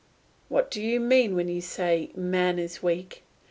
What do you mean when you say, "Man is weak"?